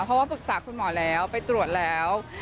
เพราะว่าปรึกษาคุณหมอแล้วไปตรวจแล้ว